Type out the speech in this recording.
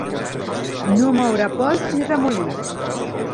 No moure pols ni remolí.